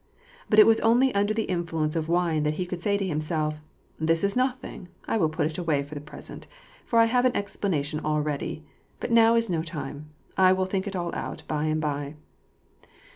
But it was only under the influence of wine that he could say to himself, " This is nothing ; I will put it away for the present, for I have an explanation all ready. But now is no time ; I will think it all out by and by."